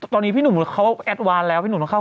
ตอนนี้พี่หนุ่มเขาแอดวานแล้วพี่หนุ่มต้องเข้า